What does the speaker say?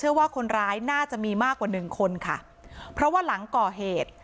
ว่าคนร้ายน่าจะมีมากกว่าหนึ่งคนค่ะเพราะว่าหลังก่อเหตุ